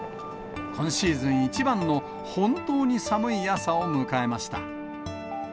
今シーズン一番の、本当に寒い朝を迎えました。